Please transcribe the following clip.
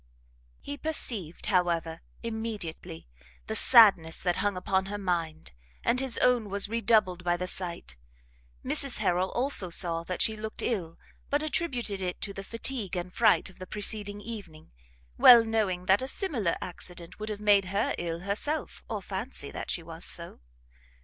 He perceived, however, immediately, the sadness that hung upon her mind, and his own was redoubled by the sight: Mrs Harrel, also, saw that she looked ill, but attributed it to the fatigue and fright of the preceding evening, well knowing that a similar accident would have made her ill herself, or fancy that she was so.